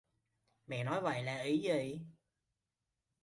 mẹ nói vậy là ý gì